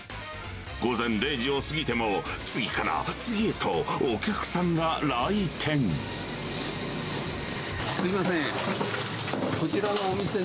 午前０時を過ぎても、次から次へとお客さんが来店。